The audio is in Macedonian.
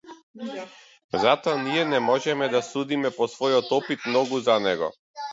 Затоа ние не можеме да судиме по својот опит многу за него.